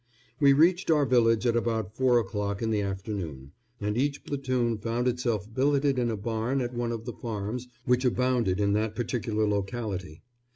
We reached our village at about four o'clock in the afternoon, and each platoon found itself billeted in a barn at one of the farms which abounded in that particular locality.